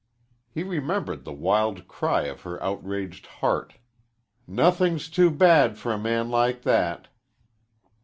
He remembered the wild cry of her outraged heart, "Nothing's too bad for a man like that."